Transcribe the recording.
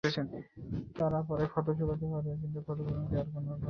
তার পরে ক্ষত শুকোতেও পারে, কিন্তু ক্ষতিপূরণ কি আর কোনো কালে হবে?